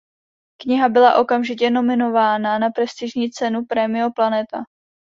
Kniha byla okamžitě nominována na prestižní cenu "Premio Planeta".